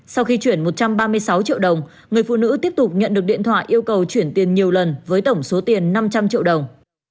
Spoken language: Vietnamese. sau khi chuyển một trăm ba mươi sáu triệu đồng người phụ nữ tiếp tục nhận được điện thoại yêu cầu chuyển tiền nhiều lần với tổng số tiền năm trăm linh triệu đồng